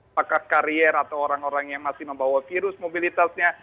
apakah karier atau orang orang yang masih membawa virus mobilitasnya